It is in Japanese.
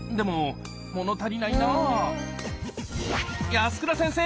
安倉先生！